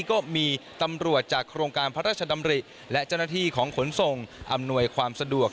ก็มีตำรวจจากโครงการพระราชดำริและเจ้าหน้าที่ของขนส่งอำนวยความสะดวก